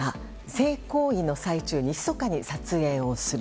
性行為の最中にひそかに撮影をする。